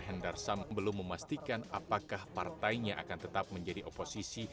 hendar sam belum memastikan apakah partainya akan tetap menjadi oposisi